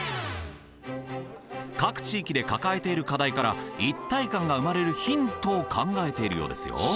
各地域で抱えている課題から一体感が生まれるヒントを考えているようですよ。